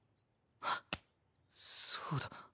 はっそうだ